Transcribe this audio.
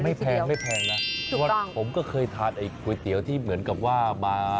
แพงไม่แพงนะเพราะว่าผมก็เคยทานไอ้ก๋วยเตี๋ยวที่เหมือนกับว่ามา